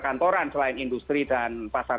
kantoran selain industri dan pasar